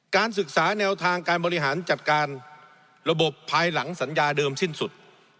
การศึกษาแนวทางการบริหารจัดการระบบภายหลังสัญญาเดิมสิ้นสุด